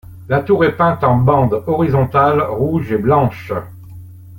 La tour est peinte en bandes horizontales rouges et blanches.